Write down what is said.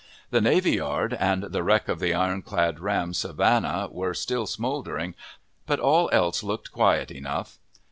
The navy yard, and the wreck of the iron clad ram Savannah, were still smouldering, but all else looked quiet enough.